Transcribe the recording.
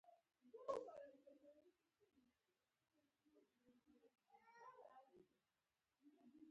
بهر د مرغانو چغې وې او اسمان شین او صاف و